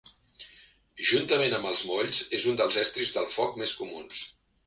Juntament amb els molls, és un dels estris del foc més comuns.